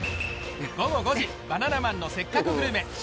午後５時「バナナマンのせっかくグルメ！！」